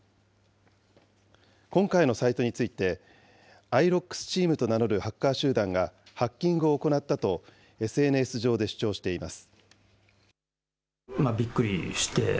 今回のサイトについて、ＩＲｏＸＴｅａｍと名乗るハッカー集団がハッキングを行ったと、ＳＮＳ上で主張しています。